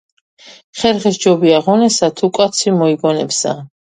,, ხერხი სჯობია ღონესა თუ კაცი მოიგონებსა''.